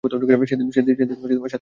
সেদিন সাথ্যীয়া মরেনি।